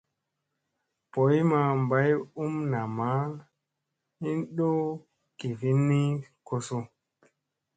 Boy ma bay um namma hin do kivini kosu.